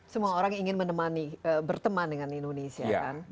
semua orang ingin berteman dengan indonesia kan